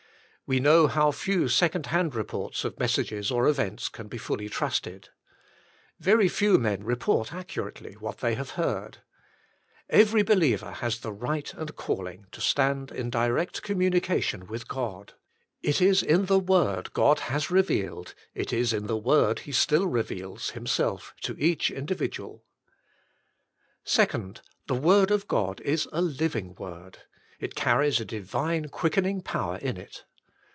We know how few second hand reports of messages or events can be fully trusted. Very few men report accurately what they have heard. Every believer has the right and calling, to stand in direct communication with God. It is in the Word God has revealed, it is in the Word He still reveals, Himself to each individual. 2. This Word of God Is a Living Word. It Carries a Divine Quickening Power in It.